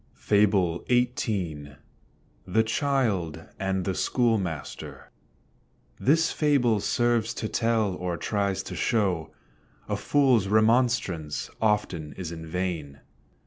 FABLE XVIII. THE CHILD AND THE SCHOOLMASTER. This fable serves to tell, or tries to show A fools remonstrance often is in vain.